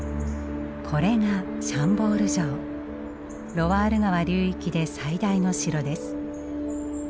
ロワール川流域で最大の城です。